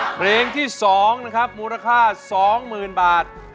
เพลงที่สองนะครับมูลค่าสองหมื่นบาท